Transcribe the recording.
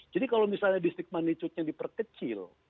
jadi kalau misalnya distrik manicurnya diperkecil